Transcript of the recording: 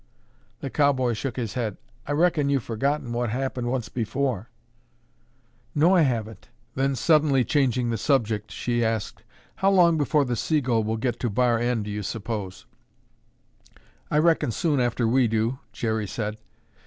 The cowboy shook his head. "I reckon you've forgotten what happened once before—" "No, I haven't." Then suddenly changing the subject, she asked, "How long before the Seagull will get to Bar N, do you suppose?" "I reckon soon after we do," Jerry said.